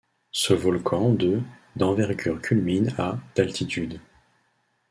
Ce volcan de d'envergure culmine à d'altitude.